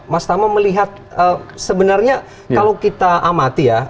mas tama melihat sebenarnya kalau kita amati ya